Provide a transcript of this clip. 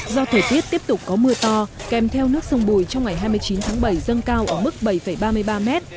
do thời tiết tiếp tục có mưa to kèm theo nước sông bùi trong ngày hai mươi chín tháng bảy dâng cao ở mức bảy ba mươi ba m